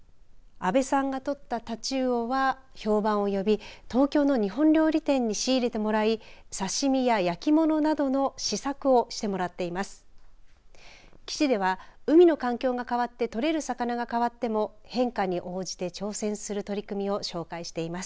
阿部さんが取ったタチウオは評判を呼び東京の日本料理店に仕入れてもらい刺身や焼き物などの試作をしてもらっています。